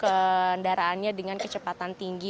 kendaraannya dengan kecepatan tinggi